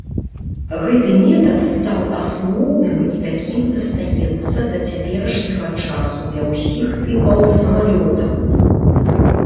Гэты метад стаў асноўным і такім застаецца да цяперашняга часу для ўсіх тыпаў самалётаў.